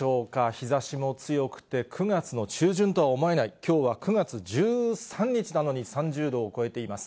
日ざしも強くて、９月の中旬とは思えない、きょうは９月１３日なのに、３０度を超えています。